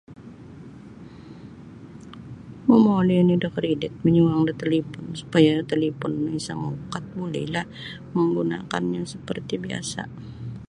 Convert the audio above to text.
Momoli oni da kredit manyuang da talipon supaya talipon no isa maukat bulilah manggunakannyo seperti biasa.